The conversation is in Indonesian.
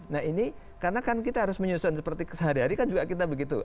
nah ini karena kan kita harus menyusun seperti sehari hari kan juga kita begitu